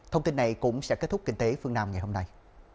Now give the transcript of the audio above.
thông tin này cũng sẽ kết thúc kinh tế phương nam ngày hôm nay